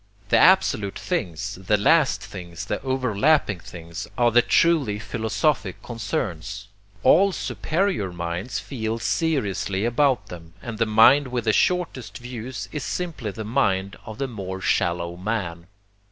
The absolute things, the last things, the overlapping things, are the truly philosophic concerns; all superior minds feel seriously about them, and the mind with the shortest views is simply the mind of the more shallow man.